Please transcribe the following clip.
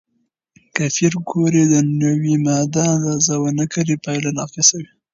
که پېیر کوري د نوې ماده اندازه ونه کړي، پایله ناقصه وي.